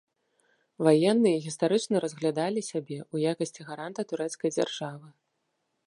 Ваенныя гістарычна разглядалі сябе ў якасці гаранта турэцкай дзяржавы.